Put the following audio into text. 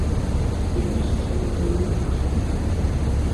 І месцамі даволі рэзка.